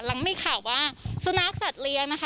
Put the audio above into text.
หลังมีข่าวว่าสุนัขสัตว์เลี้ยงนะคะ